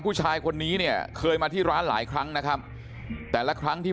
ผู้ชายคนนี้เนี่ยเคยมาที่ร้านหลายครั้งนะครับแต่ละครั้งที่